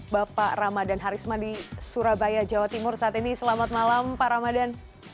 bapak ramadan harisma di surabaya jawa timur saat ini selamat malam pak ramadan